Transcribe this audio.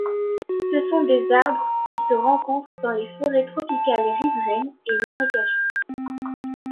Ce sont des arbres qui se rencontrent dans les forêts tropicales riveraines et marécageuses.